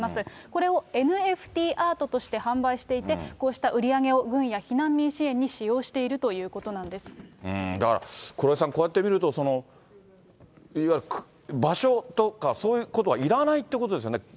これをＮＦＴアートとして販売していて、こうした売り上げを軍や避難民支援に使用しているということなんだから、黒井さん、こうやって見ると、いわゆる場所とか、そういうことはいらないっていうことですよね。